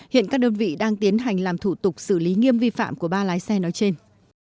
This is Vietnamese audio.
hiện các đơn vị đang tiến hành làm thủ tục xử lý nghiêm vi phạm của ba lái xe nói trên